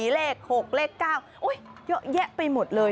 เลข๖เลข๙เยอะแยะไปหมดเลย